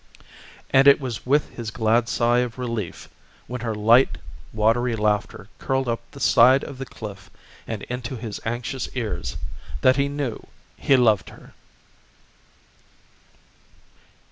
And it was with his glad sigh of relief when her light watery laughter curled up the side of the cliff and into his anxious ears that he knew he loved her.